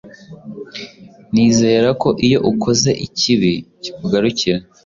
Nizera ko iyo ukoze ikibi kikugarukira,